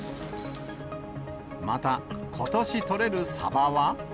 また、ことし取れるサバは。